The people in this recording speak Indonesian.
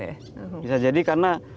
bisa jadi karena kalau saya lebih lihat kayak